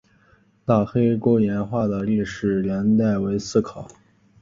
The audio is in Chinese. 大黑沟岩画的历史年代为待考。